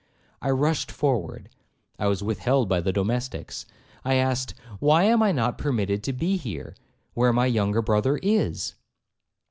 —I rushed forward;—I was withheld by the domestics;—I asked, 'Why am I not permitted to be here, where my younger brother is?'